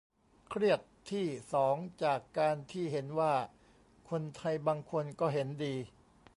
เครียดที่สองจากการที่เห็นว่าคนไทยบางคนก็เห็นดี